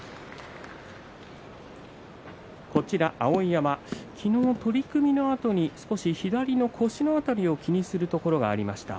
碧山、昨日、取り組みのあとに少し左の腰の辺りを気にするところがありました。